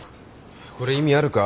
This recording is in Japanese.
これ意味あるか？